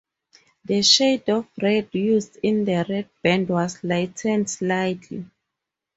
The shade of red used in the red band was lightened slightly.